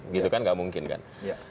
gitu kan nggak mungkin kan